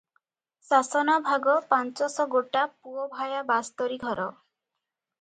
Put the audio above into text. ଶାସନ ଭାଗ ପାଞ୍ଚଶ ଗୋଟା ପୁଅଭାୟା ବାସ୍ତରୀ ଘର ।